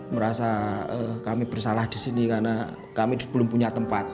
merasa kami bersalah di sini karena kami belum punya tempat